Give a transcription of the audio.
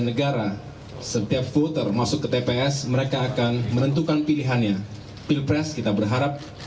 negara setiap voter masuk ke tps mereka akan menentukan pilihannya pilpres kita berharap